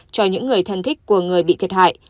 cho những người thân thích của người bị thiệt hại